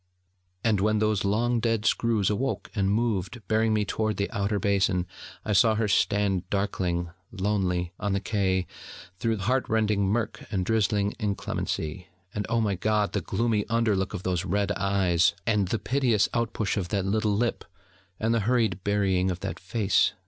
And when those long dead screws awoke and moved, bearing me toward the Outer Basin, I saw her stand darkling, lonely, on the Quai through heart rending murk and drizzly inclemency: and oh my God, the gloomy under look of those red eyes, and the piteous out push of that little lip, and the hurried burying of that face!